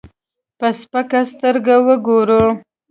په سپکه سترګه وګورو.